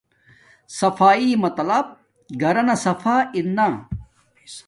صفایݵ مطلب گھور صفا ارنا